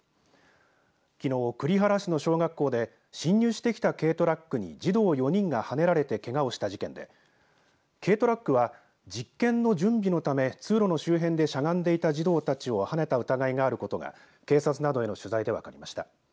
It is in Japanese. きのう、栗原市の小学校で侵入してきた軽トラックに児童４人がはねられてけがをした事件で軽トラックは実験の準備のため通路の周辺でしゃがんでいた児童たちをはねた疑いがあることが警察などへの取材で分かりました。